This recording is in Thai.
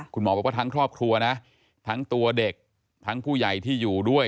คุณหมอบอกว่าทั้งครอบครัวนะทั้งตัวเด็กทั้งผู้ใหญ่ที่อยู่ด้วย